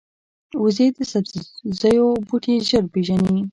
وزې د سبزیو بوټي ژر پېژني